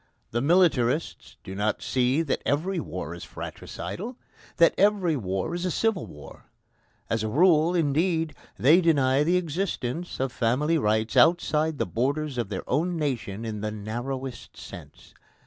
The militarists do not see that every war is fratricidal that every war is a civil war. As a rule, indeed, they deny the existence of family rights outside the borders of their own nation in the narrowest sense.